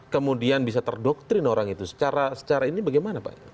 kemudian bisa terdoktrin orang itu secara ini bagaimana pak